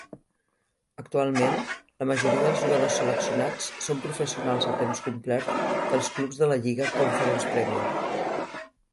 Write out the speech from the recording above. Actualment, la majoria dels jugadors seleccionats són professionals a temps complet dels clubs de la lliga Conference Premier.